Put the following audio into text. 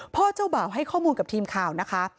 เจ้าบ่าวให้ข้อมูลกับทีมข่าวนะคะ